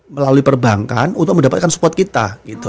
melalui perbankan untuk mendapatkan support kita